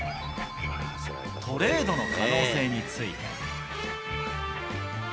トレードの可能性について。